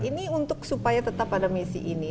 ini untuk supaya tetap ada messi ini